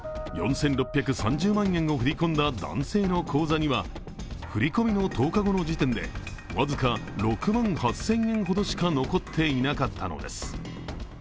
４６３０万円を振り込んだ男性の口座には振り込みの１０日後の時点で僅か６万８０００円しか残っていなかったのです。